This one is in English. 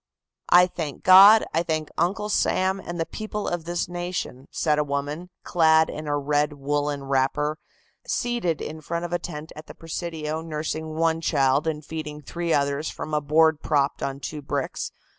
"I thank God, I thank Uncle Sam and the people of this nation," said a woman, clad in a red woolen wrapper, seated in front of a tent at the Presidio nursing one child and feeding three others from a board propped on two bricks.